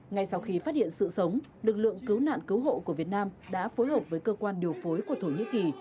ngay sau khi phát hiện sự sống lực lượng cứu nạn cứu hộ của việt nam đã phối hợp với cơ quan điều phối của thổ nhĩ kỳ